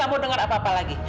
kamu dengar apa apa lagi